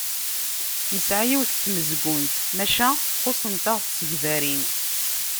Nesɛa yiwet n tmezgunt, maca xuṣṣent-aɣ tsegbarin.